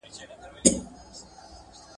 علمي مجله له پامه نه غورځول کیږي.